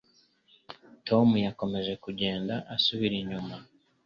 Tom yakomeje kugenda asubira inyuma.